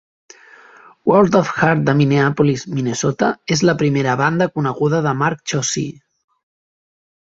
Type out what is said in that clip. World of Hurt de Minneapolis, Minnesota, és la primera banda coneguda de Mark Chaussee.